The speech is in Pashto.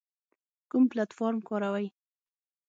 کوم پلتفارم کاروئ؟